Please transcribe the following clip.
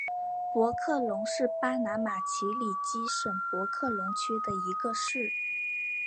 博克龙是巴拿马奇里基省博克龙区的一个市。